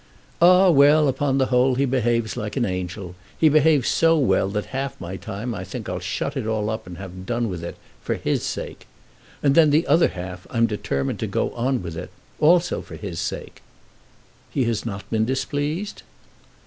"Ah; well, upon the whole he behaves like an angel. He behaves so well that half my time I think I'll shut it all up and have done with it, for his sake. And then, the other half, I'm determined to go on with it, also for his sake." "He has not been displeased?"